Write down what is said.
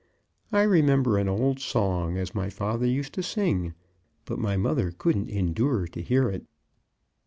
I remember an old song as my father used to sing, but my mother couldn't endure to hear it.